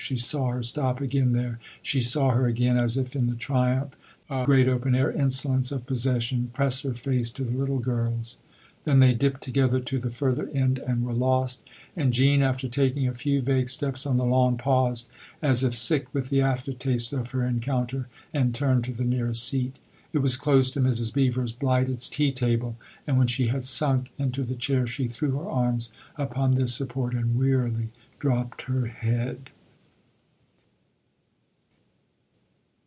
She saw her stop again there, she saw her again, as if in the triumph a great open air insolence THE OTHER HOUSE 231 of possession, press her face to the little girl's. Then they dipped together to the further end and were lost, and Jean, after taking a few vague steps on the lawn, paused, as if sick with the aftertaste of her encounter, and turned to the nearest seat. It was close to Mrs. Beever's blighted tea table, and when she had sunk into the chair she threw her arms upon this support and wearily dropped her head.